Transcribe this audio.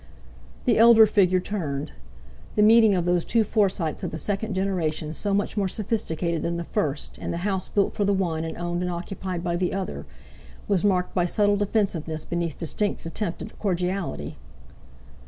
The elder figure turned. The meeting of those two Forsytes of the second generation, so much more sophisticated than the first, in the house built for the one and owned and occupied by the other, was marked by subtle defensiveness beneath distinct attempt at cordiality.